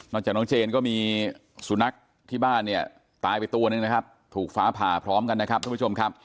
จากน้องเจนก็มีสุนัขที่บ้านเนี่ยตายไปตัวหนึ่งนะครับถูกฟ้าผ่าพร้อมกันนะครับทุกผู้ชมครับ